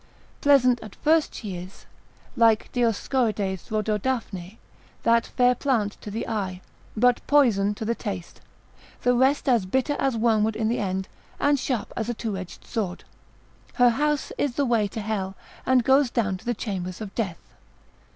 Pleasant at first she is, like Dioscorides Rhododaphne, that fair plant to the eye, but poison to the taste, the rest as bitter as wormwood in the end (Prov. v. 4.) and sharp as a two edged sword, (vii. 27.) Her house is the way to hell, and goes down to the chambers of death.